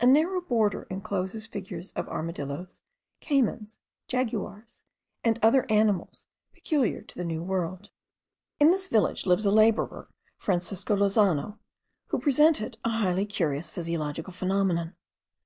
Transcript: A narrow border encloses figures of armadilloes, caymans, jaguars, and other animals peculiar to the new world. In this village lives a labourer, Francisco Lozano, who presented a highly curious physiological phenomenon.